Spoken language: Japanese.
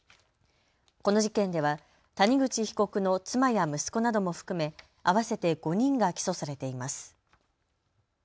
この事件では谷口被告の妻や息子なども含め合わせて５人が起訴されています。